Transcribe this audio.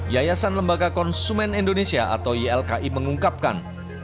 yayasan lembaga konsumen indonesia mengungkapkan